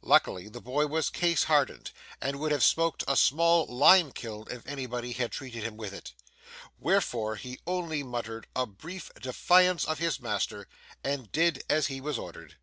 Luckily the boy was case hardened, and would have smoked a small lime kiln if anybody had treated him with it. Wherefore, he only muttered a brief defiance of his master, and did as he was ordered.